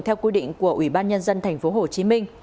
theo quy định của ubnd tp hcm